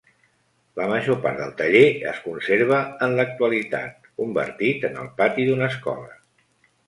La major part del taller es conserva en l'actualitat, convertit en el pati d'una escola.